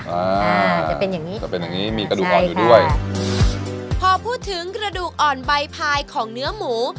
อ่าจะเป็นอย่างงี้จะเป็นอย่างงี้มีกระดูกอ่อนอยู่ด้วยพอพูดถึงกระดูกอ่อนใบพายของเนื้อหมู